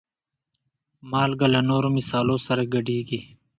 مالګه له نورو مصالحو سره ګډېږي.